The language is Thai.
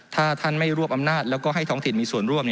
ถ้าท่านไม่รวบอำนาจแล้วก็ให้ท้องถิ่นมีส่วนร่วม